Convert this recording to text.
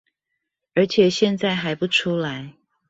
而且現在還不出來